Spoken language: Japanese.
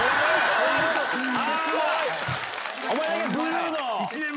お前だけブルーの。